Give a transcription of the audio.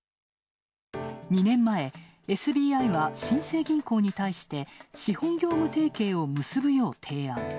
２年前、ＳＢＩは新生銀行に対して資本業務提携を結ぶよう提案。